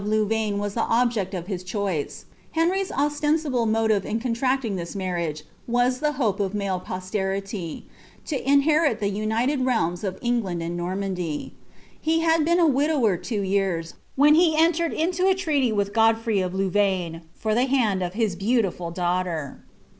ouvaine was the object of his choice Ilenry'^s ostensible ronlracting Uiis marriage was the hope of male posterity, to inherit tiniled realms of England and Normandy. He had been a widower iwo vears, when he entered into a treaty with Godfrey of Louvaine {at iha hand of his beautiful daughter.